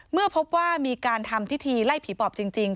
เมื่อพบว่ามีการทำพิธีไล่ผีปอบจริง